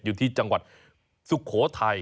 อยู่ที่จังหวัดสุโขทัย